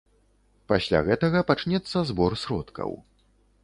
Пасля гэтага пачнецца збор сродкаў.